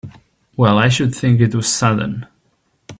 Well I should think it was sudden!